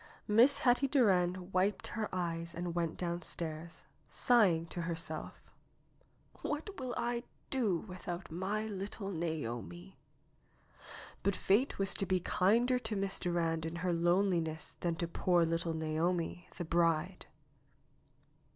Miss Hetty Durand wiped her eyes and went downstairs, sighing to herself: ^'What will I do without my little Naomi?" But fate was to be kinder to Miss Durand in her lone liness than to poor little Naomi, the bride.